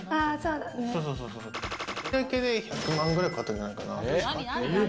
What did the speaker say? だけで１００万くらいかかったんじゃないかな。